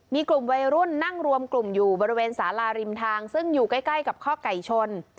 มีกลุ่มวัยรุ่นนั่งรวมกลุ่มอยู่บริเวณสาราริมทางซึ่งอยู่ใกล้กับข้อไก่ชน